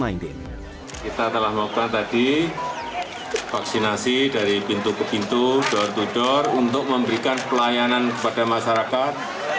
kita telah melakukan tadi vaksinasi dari pintu ke pintu door to door untuk memberikan pelayanan kepada masyarakat